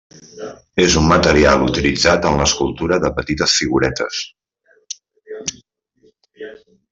És un material utilitzat en l'escultura de petites figuretes.